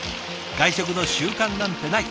外食の習慣なんてない。